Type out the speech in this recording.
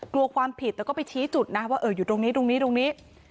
กลัวความผิดแต่ก็ไปชี้จุดนะว่าอยู่ตรงนี้ตรงนี้